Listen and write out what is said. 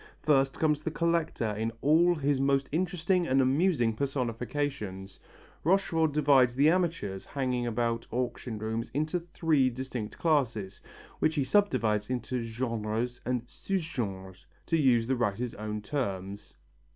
First comes the collector in all his most interesting and amusing personifications. Rochefort divides the amateurs hanging about auction rooms into three distinct classes, which he subdivides into genres and sous genres, to use the writer's own terms.